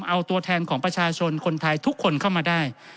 เอาตัวแทนของประชาชนคนไทยทุกคนเข้ามาได้